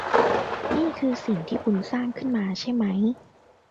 นี่คือสิ่งที่คุณสร้างขึ้นมาใช่มั้ย